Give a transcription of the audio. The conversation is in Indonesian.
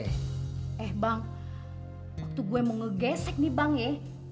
eh bang waktu gue mau ngegesek nih bang ya